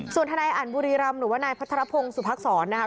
ส่วนทนายอันบุรีรำหรือว่านายพัทรพงศ์สุภักษรนะครับ